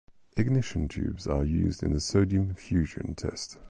Ignition tubes are used in the sodium fusion test.